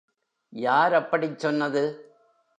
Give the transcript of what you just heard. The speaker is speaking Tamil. யார் அப்படிச் சொன்னது?